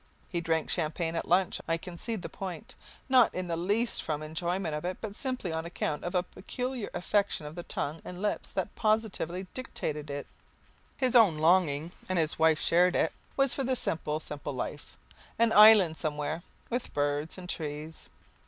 He drank champagne at lunch, I concede the point, not in the least from the enjoyment of it, but simply on account of a peculiar affection of the tongue and lips that positively dictated it. His own longing and his wife shared it was for the simple, simple life an island somewhere, with birds and trees.